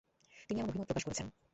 তিনি এমন অভিমত প্রকাশ করেছেন।